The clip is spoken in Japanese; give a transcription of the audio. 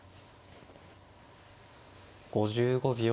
５５秒。